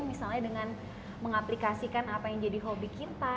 misalnya dengan mengaplikasikan apa yang jadi hobi kita